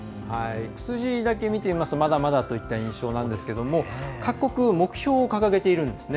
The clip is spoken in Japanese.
数字だけ見ていますとまだまだといった印象なんですが各国、目標を掲げているんですね。